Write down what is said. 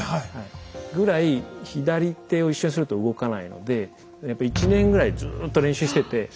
ぐらい左手を一緒にすると動かないのでやっぱ１年ぐらいずーっと練習してて。